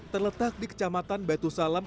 terletak di kecamatan batu salam